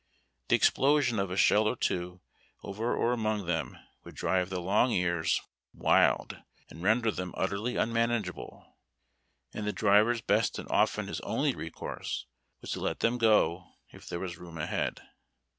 The explosion of a shell or two over or among them would drive the long ears 292 HARD TACK AND COFFEE. wild, and render them utterly unmanageable, and the driver's best and often his onli/ recourse was to let them go if there was room ahead.